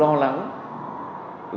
sự lo lắng ạ